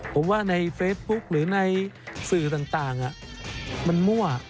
ผมว่าในเฟซบุ๊กหรือในสื่อต่างมันมั่ว